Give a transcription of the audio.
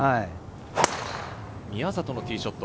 宮里のティーショット。